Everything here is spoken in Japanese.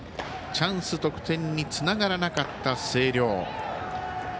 チャンスが得点につながらなかった星稜。